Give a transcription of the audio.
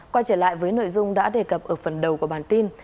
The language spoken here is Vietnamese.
quay trở lại với nội dung đã đề cập ở phần đầu của bản tin